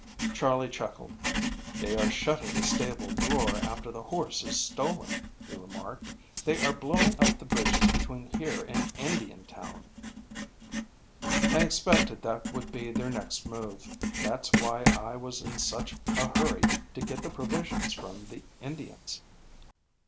Charley chuckled. "They are shutting the stable door after the horse is stolen," he remarked. "They are blowing up the bridges between here and Indiantown." "I expected that would be their next move. That's why I was in such a hurry to get the provisions from the Indians."